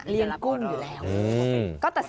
นี่คือเทคนิคการขาย